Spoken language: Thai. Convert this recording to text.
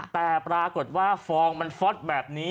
แต่ปรากฏว่าฟองมันฟอตแบบนี้